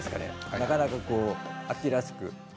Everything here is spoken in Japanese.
なかなか秋らしく。